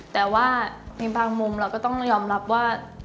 แต่ว่าในบางมุมเราก็ต้องยอมรับว่า